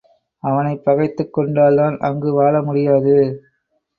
அவனைப் பகைத்துக் கொண்டால் தான் அங்கு வாழ முடியாது.